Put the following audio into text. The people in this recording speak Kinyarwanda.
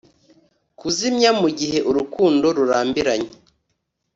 Kuzimya mugihe urukundo rurambiranye